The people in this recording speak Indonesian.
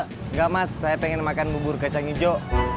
enggak mas saya pengen makan bubur kacang hijau